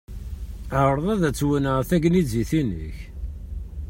Ɛṛeḍ ad twennɛeḍ tagnizit-inek.